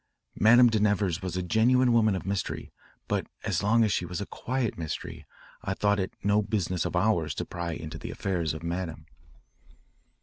Madame de Nevers was a genuine woman of mystery, but as long as she was a quiet mystery, I thought it no business of ours to pry into the affairs of Madame."